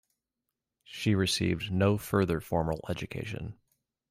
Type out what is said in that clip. She received no further formal education.